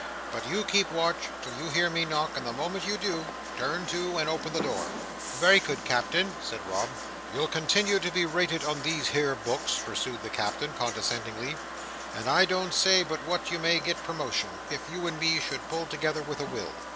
But you keep watch till you hear me knock, and the moment you do, turn to, and open the door." "Very good, Captain," said Rob. "You'll continue to be rated on these here books," pursued the Captain condescendingly, "and I don't say but what you may get promotion, if you and me should pull together with a will.